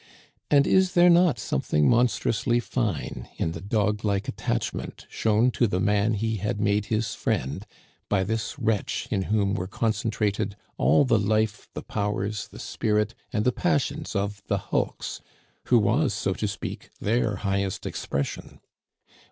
And is there not something monstrously fine in the dog like attachment shown to the man he had made his friend by this wretch in whom were concentrated all the life, the powers, the spirit, and the passions of the hulks, who was, so to speak, their highest expression?